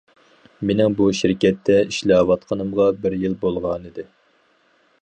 مېنىڭ بۇ شىركەتتە ئىشلەۋاتقىنىمغا بىر يىل بولغانىدى.